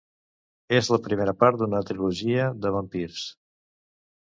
És la primera part d'una trilogia de vampirs.